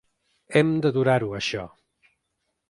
Hem d’aturar-ho, això.